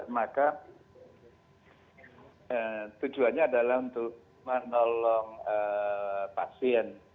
maka tujuannya adalah untuk menolong pasien